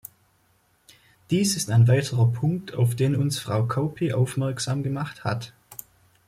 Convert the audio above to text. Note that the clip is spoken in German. Dies ist ein weiterer Punkt, auf den uns Frau Kauppi aufmerksam gemacht hat.